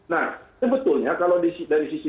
nah itu betulnya kalau dari sisi